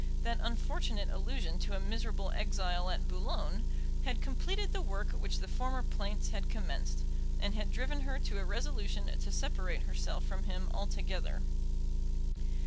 That unfortunate allusion to a miserable exile at Boulogne had completed the work which the former plaints had commenced, and had driven her to a resolution to separate herself from him altogether.